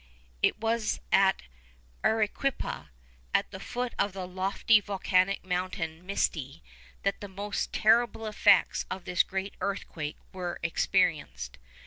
It was at Arequipa, at the foot of the lofty volcanic mountain Misti, that the most terrible effects of the great earthquake were experienced.